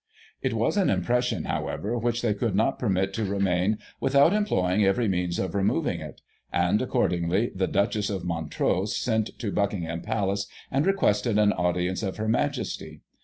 It was an impression, however, which they could not permit to remain without employing every meeins of removing it ; and, accord ingly, the Duchess of Montrose went to Buckingham Palace, and requested an audience of Her Majesty.